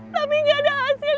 tapi gak ada hasil